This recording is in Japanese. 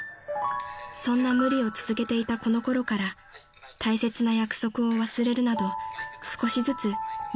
［そんな無理を続けていたこのころから大切な約束を忘れるなど少しずつミスが増え始めます］